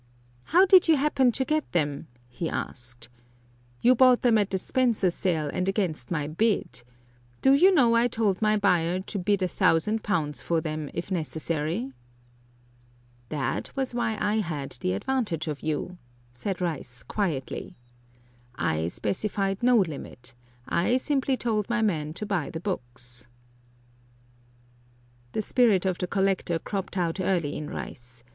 "How did you happen to get them?" he asked. "You bought them at the Spencer sale and against my bid. Do you know, I told my buyer to bid a thousand pounds for them, if necessary!" "That was where I had the advantage of you," said Rice, quietly. "I specified no limit; I simply told my man to buy the books." The spirit of the collector cropped out early in Rice.